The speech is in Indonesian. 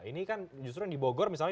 ini kan justru yang dibogor misalnya